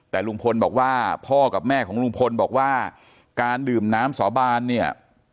แต่ลุงพลบอกว่าพ่อกับแม่ของลุงพลบอกว่าการดื่มน้ำสาบานเนี่ย